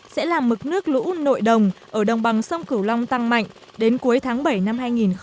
sẽ làm mực nước lũ nội đồng ở đồng bằng sông kiều long tăng mạnh đến cuối tháng bảy năm hai nghìn một mươi tám